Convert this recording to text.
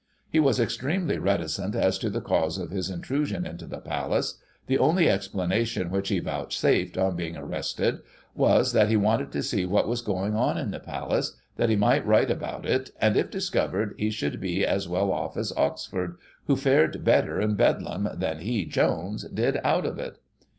He was extremely reticent as to the cause of his intrusion into the Palace, the only explana tion which he vouchsafed, on being arrested, was, that he wanted to see what was going on in the Palace, that he might write about it, and, if discovered, he should be as well off as Oxford, who fared better in Bedlam, than he, Jones, did out of it.